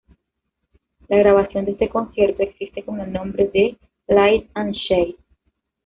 La grabación de este concierto existe, con el nombre de ""Light And Shade"".